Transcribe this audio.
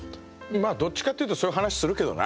まあどっちかっていうとそういう話するけどな。